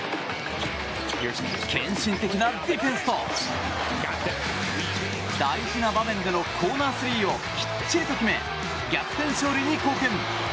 献身的なディフェンスと大事な場面でのコーナースリーをきっちりと決め逆転勝利に貢献。